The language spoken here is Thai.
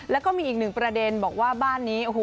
แล้วก็มีอีกหนึ่งประเด็นบอกว่าบ้านนี้โอ้โห